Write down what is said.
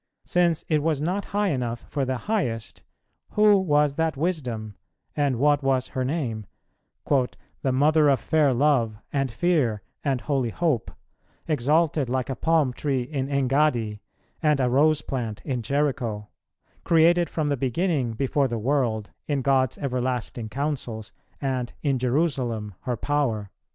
Since it was not high enough for the Highest, who was that Wisdom, and what was her name, "the Mother of fair love, and fear, and holy hope," "exalted like a palm tree in Engaddi, and a rose plant in Jericho," "created from the beginning before the world" in God's everlasting counsels, and "in Jerusalem her power"?